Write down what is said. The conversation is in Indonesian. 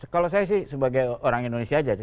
kalau saya sih sebagai orang indonesia aja sih